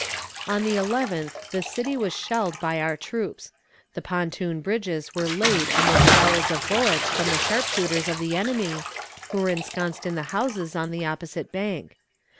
On the eleventh the city was shelled by our troops. The pontoon bridges were laid amid showers of bullets from the sharpshooters of the enemy, who were ensconced in the houses on the opposite bank.